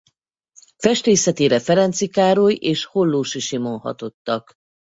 Festészetére Ferenczy Károly és Hollósy Simon hatottak.